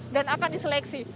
dan akan diseleksi